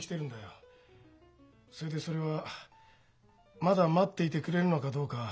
それでそれは「まだ待っていてくれるのかどうか」